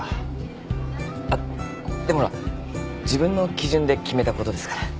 あっでもほら自分の基準で決めたことですから。